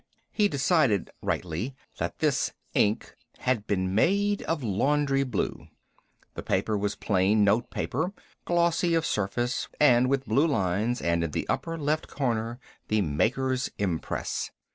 He decided, rightly, that this "ink" had been made of laundry blue. The paper was plain note paper, glossy of surface and with blue lines, and, in the upper left corner, the maker's impress.